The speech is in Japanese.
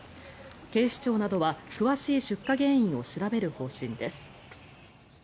警視庁などは詳しい出火原因を調べる方針です。